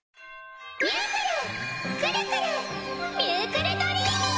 ミュークルクルクルミュークルドリーミー！